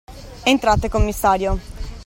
Entrate, commissario.